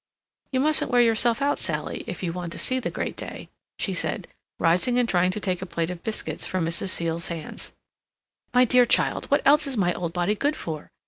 "You mustn't wear yourself out, Sally, if you want to see the great day," she said, rising and trying to take a plate of biscuits from Mrs. Seal's hands. "My dear child, what else is my old body good for?"